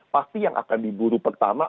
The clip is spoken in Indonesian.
pasti yang akan diburu pertama